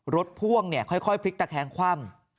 รถพ่วงค่อยพลิกตาแคมคว่ำ